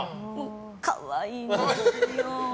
可愛いんですよ。